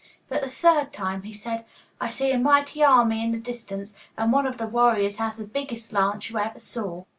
But the third time he said, 'I see a mighty army in the distance, and one of the warriors has the biggest lance you ever saw!